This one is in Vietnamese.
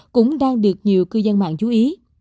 cũng đang được nhiều cư dân mạng chú ý